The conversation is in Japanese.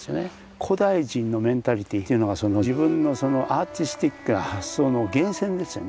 古代人のメンタリティーというのがその自分のアーティスティックな発想の源泉ですよね。